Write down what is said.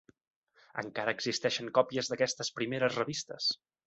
Encara existeixen còpies d'aquestes primeres revistes.